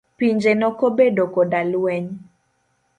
Pinje nokobedo koda lweny.